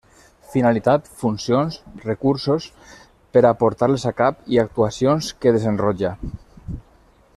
Finalitat, funcions, recursos per a portar-les a cap i actuacions que desenrotlla.